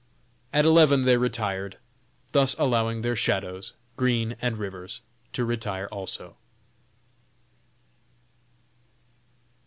At eleven they retired, thus allowing their "shadows," Green and Rivers to retire also.